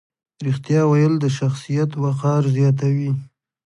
رښتیا ویل د شخصیت وقار زیاتوي.